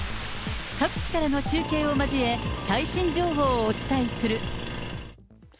各地からの中継を交え、最新情報をお伝えする。